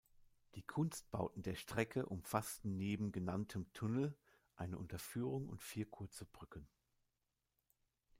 Die Kunstbauten der Strecke umfassten neben genanntem Tunnel eine Unterführung und vier kurze Brücken.